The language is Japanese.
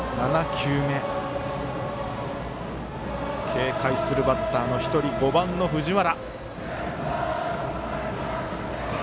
警戒するバッターの１人５番の藤原。